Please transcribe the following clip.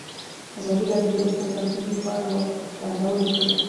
ازادي راډیو د روغتیا د راتلونکې په اړه وړاندوینې کړې.